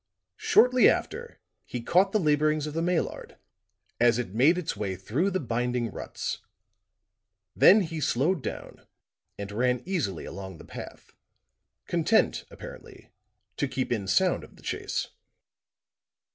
Shortly after, he caught the laborings of the Maillard as it made its way through the binding ruts; then he slowed down and ran easily along the path, content, apparently, to keep in sound of the chase.